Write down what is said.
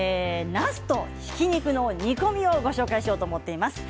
なすとひき肉の煮込みをご紹介しようと思っています。